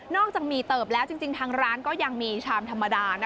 จากหมี่เติบแล้วจริงทางร้านก็ยังมีชามธรรมดา